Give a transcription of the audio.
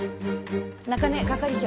中根係長。